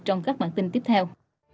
trong các bản tin tiếp theo